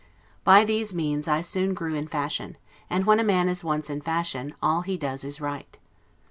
By these means I soon grew in fashion; and when a man is once in fashion, all he does is right.